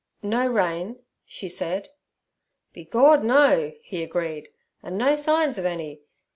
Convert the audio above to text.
'No rain' she said. 'Be Gord, no!' he agreed, 'an' no signs ov any.